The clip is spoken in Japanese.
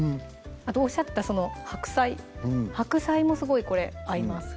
あとおっしゃってたその白菜白菜もすごいこれ合います